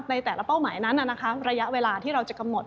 ในแต่ละเป้าหมายนั้นระยะเวลาที่เราจะกำหนด